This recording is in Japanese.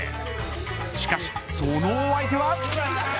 しかし、そのお相手は。